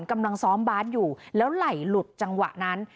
กำลังซ้อมบาสอยู่แล้วไหล่หลุดจังหวะนั้น